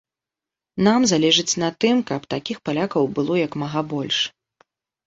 Нам залежыць на тым, каб такіх палякаў было як мага больш.